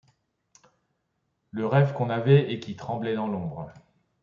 Le rêve qu’on avait et qui tremblait dans-l’ombre ;.